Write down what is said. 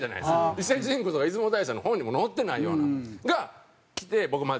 伊勢神宮とか出雲大社の本にも載ってないようなのがきて僕まあ